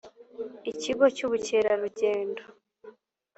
ikigo cy’ubukerarugendo